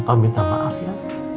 peminta maaf ya